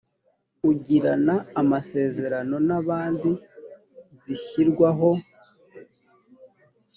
ugirana amasezerano n abandi zishyirwaho